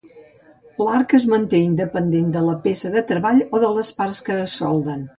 L'arc es manté independentment de la peça de treball o de les parts que es solden.